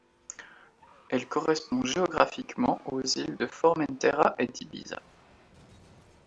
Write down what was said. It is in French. Elle correspond géographiquement aux îles de Formentera et d'Ibiza.